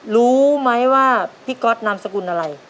รู้ไหมว่าพี่ก๊อตนามสกุลอะไร